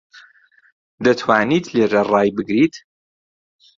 دەتوانیت لێرە ڕای بگریت؟